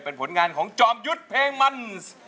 เป็นผลงานของจอมยุทธ์เพลงมัน